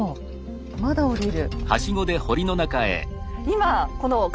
まだ下りる。